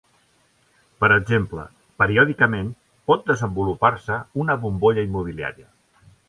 Per exemple, periòdicament, pot desenvolupar-se una bombolla immobiliària.